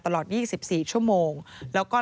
ตลอด๒๔ชั่วโมงแล้วก็